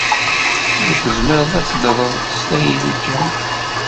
Ur tezmireḍ ad teddreḍ s tayri kan.